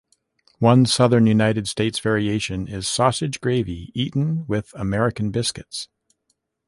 One Southern United States variation is sausage gravy eaten with American biscuits.